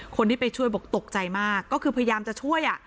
คนที่ไปช่วยบอกตกใจมากก็คือพยายามจะช่วย